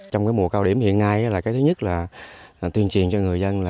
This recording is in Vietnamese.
trong mùa cao điểm hiện ngay thứ nhất là tuyên truyền cho người dân